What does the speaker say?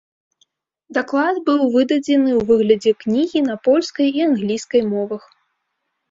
Даклад быў выдадзены ў выглядзе кнігі на польскай і англійскай мовах.